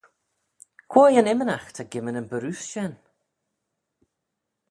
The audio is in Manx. Quoi yn immanagh ta gimman yn barroose shen?